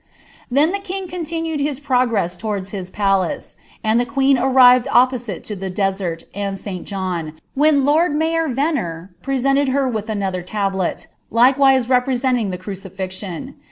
Then ihe king continued his progress towards his paUce, mJ lb* queen arrived opposite lo the desert and Sl John, when loni rhjm Venner presented her with another tablet, likewise represoiiing tlK Cf» eiiision.